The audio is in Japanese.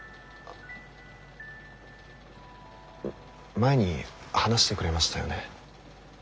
前に話してくれましたよね